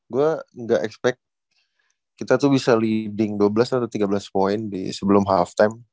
gue gak expect kita tuh bisa leading dua belas atau tiga belas poin sebelum half time